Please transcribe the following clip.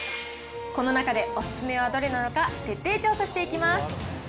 この中でおすすめはどれなのか、徹底調査していきます。